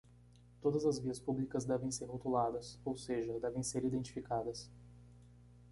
Todas as vias públicas devem ser rotuladas, ou seja, devem ser identificadas.